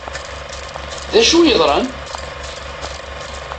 D acu i yeḍran?